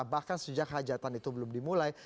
bahkan sejak hajatan itu belum dimulai